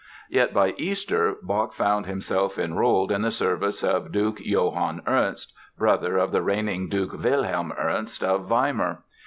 Yet by Easter Bach found himself enrolled in the service of Duke Johann Ernst, brother of the reigning Duke Wilhelm Ernst of Weimar.